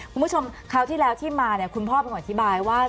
คุณผู้ชมคราวที่แล้วที่มาคุณพ่อมาอธิบายว่า